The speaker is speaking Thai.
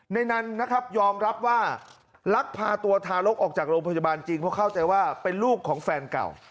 ในนั้นนะครับยอมรับว่าลักพาตัวทารกออกจากโรงพยาบาลจริงเพราะเข้าใจว่าเป็นลูกของแฟนเก่า